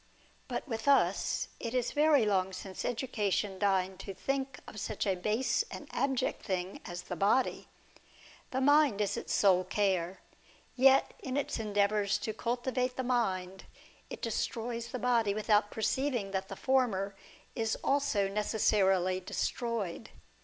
But with us, it is very long since education deigned to think of such a base and abject thing as the body. The mind is its sole care. Yet, in its endeavours to cultivate the mind, it destroys the body without perceiving that the former is also necessarily destroyed.